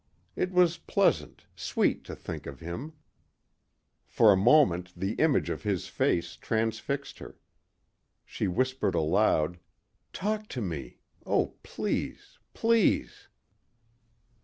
It was pleasant, sweet to think of him. For a moment the image of his face transfixed her. She whispered aloud, "Talk to me. Oh, please ... please...."